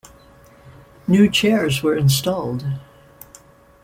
New chairs were installed.